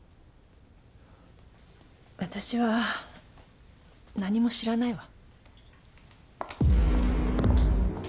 私は何も知らないわ。